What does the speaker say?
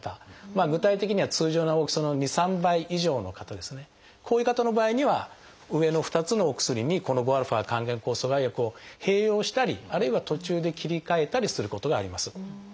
具体的には通常の大きさの２３倍以上の方こういう方の場合には上の２つのお薬にこの５α還元酵素阻害薬を併用したりあるいは途中で切り替えたりすることがあります。